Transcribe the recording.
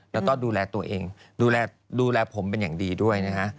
แล้วก็ดูแลตัวเองดูแลดูแลผมเป็นอย่างดีด้วยนะฮะ